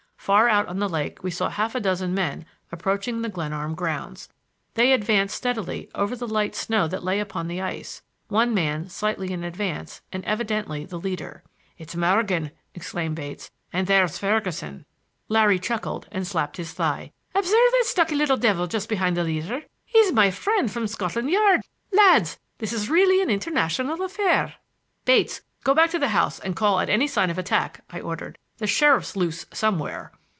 Far out on the lake we saw half a dozen men approaching the Glenarm grounds. They advanced steadily over the light snow that lay upon the ice, one man slightly in advance and evidently the leader. "It's Morgan!" exclaimed Bates. "And there's Ferguson." Larry chuckled and slapped his thigh. "Observe that stocky little devil just behind the leader? He's my friend from Scotland Yard. Lads! this is really an international affair." "Bates, go back to the house and call at any sign of attack," I ordered. "The sheriff's loose somewhere."